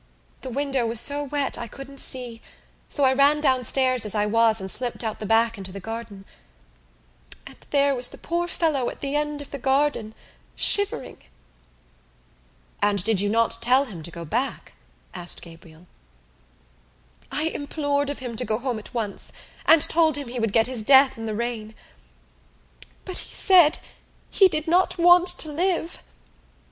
The window was so wet I couldn't see so I ran downstairs as I was and slipped out the back into the garden and there was the poor fellow at the end of the garden, shivering." "And did you not tell him to go back?" asked Gabriel. "I implored of him to go home at once and told him he would get his death in the rain. But he said he did not want to live.